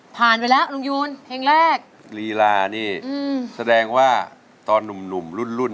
ผ่านไปแล้วลุงยูนเพลงแรกลีลานี่อืมแสดงว่าตอนหนุ่มรุ่น